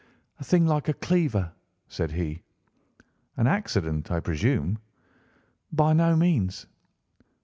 "A thing like a cleaver," said he. "An accident, I presume?" "By no means."